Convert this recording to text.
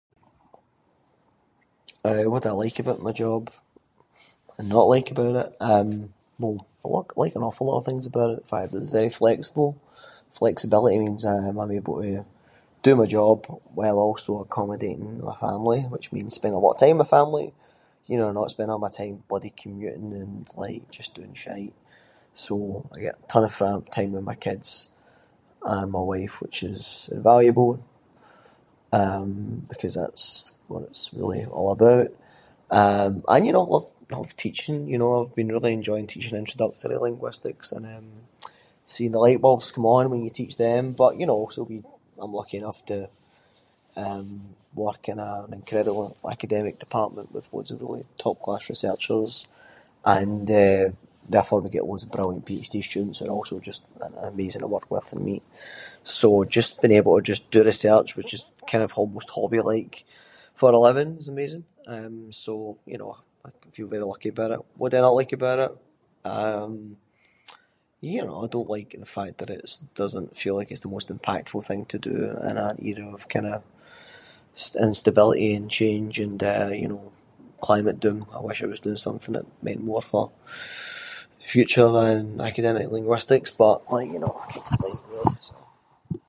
Eh what do I like about my job, and not like about it? Eh wel- my work- I like an awful lot of things about it, like how it’s very flexible. Flexibility means eh I’m able to do my job while also accommodating my family, which means I spend a lot of time with my family. You know, not spending all my time bloody commuting and like just doing shite, so I get a ton of fa- time with my kids and my wife which is valuable, um, because that’s what it’s really all about. Um, and you know I love- I love teaching, you know I’ve been really enjoying teaching introductory linguistics and eh, seeing the lightbulbs come on when you teach them. But you know, so we- I’m lucky enough to, eh, work in an incredible academic department with loads of really top-class researchers and eh, therefore we get loads of brilliant PhD students that are also just amazing to work with and meet. So, just being able to just do research, which is kind of almost just hobby-like for a living is amazing. So, you know, I feel very lucky about it. What do I no like about it? Um, you know, I don’t like the fact that it doesn’t feel like it’s the most impactful thing to do, in an era of kind of instability and change and eh, you know climate doom. I wish I was doing something that meant more for the future than academic linguistics, but like you know, I can’t complain really, so.